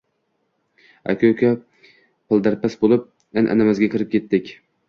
Aka-uka pildirpis bo‘lib, in-inimizga kirib ketdik.